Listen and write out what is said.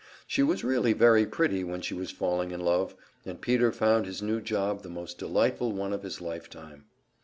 She was really very pretty when she was falling in love, and Peter found his new job the most delightful one of his lifetime.